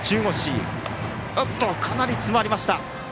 かなり詰まりました。